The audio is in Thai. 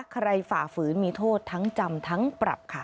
ฝ่าฝืนมีโทษทั้งจำทั้งปรับค่ะ